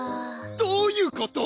どういうこと？